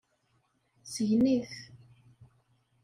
Sgen-it.